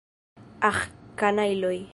Aĥ, kanajloj!